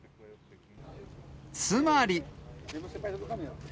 つまり。